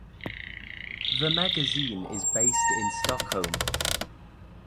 The magazine is based in Stockholm.